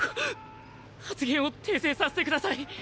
発言を訂正させて下さい。